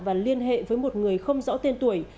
và liên hệ với một người không rõ tên tuổi